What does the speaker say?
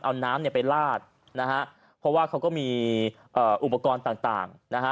เอาน้ำเนี่ยไปลาดนะฮะเพราะว่าเขาก็มีเอ่ออุปกรณ์ต่างต่างนะฮะ